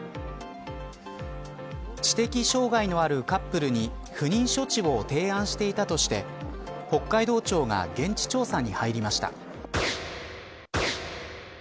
知的障害のあるカップルに不妊処置を提案していたとして北海道庁が現地調査に入りました。